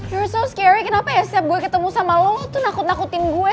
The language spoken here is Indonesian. you're so scary kenapa ya setiap gue ketemu sama lo lo tuh nakut nakutin gue